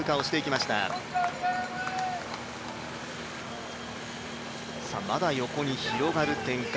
まだ横に広がる展開